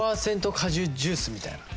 果汁ジュースみたいな。